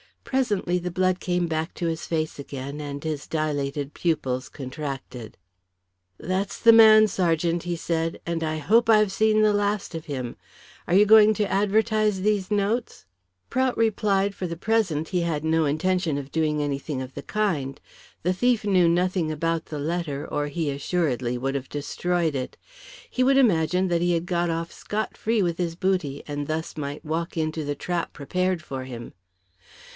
Presently the blood came back to his face again, and his dilated pupils contracted. "That's the man, sergeant," he said. "And I hope I have seen the last of him. Are you going to advertise those notes?" Prout replied for the present he had no intention of doing anything of the kind. The thief knew nothing about the letter, or he assuredly would have destroyed it. He would imagine that he had got off scot free with his booty, and thus might walk into the trap prepared for him.